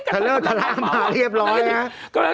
สะเลิกทะละมาเรียบร้อยนะ